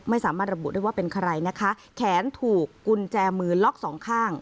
ไม่สามารถระบุได้ว่าเป็นใครนะคะแขนถูกกุญแจมือล็อกสองข้าง